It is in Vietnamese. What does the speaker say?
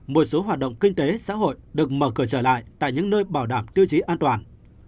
một số hoạt động kinh tế xã hội được mở cửa trở lại tại những nơi bảo đảm tiêu chí an toàn